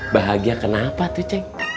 bahagia kenapa tuh ceng